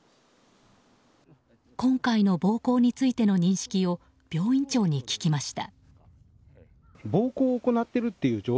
今回の暴行についての認識を病院長に聞きました。